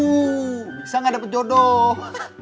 bisa gak dapet jodoh